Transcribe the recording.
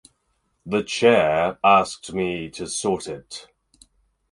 The Chair asked me to sort it.